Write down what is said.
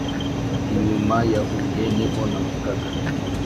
inyuma ya huye ni ho navugaga.